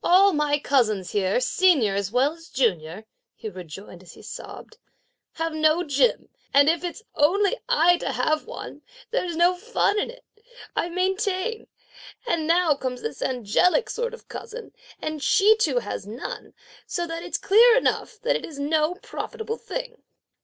"All my cousins here, senior as well as junior," he rejoined, as he sobbed, "have no gem, and if it's only I to have one, there's no fun in it, I maintain! and now comes this angelic sort of cousin, and she too has none, so that it's clear enough that it is no profitable thing."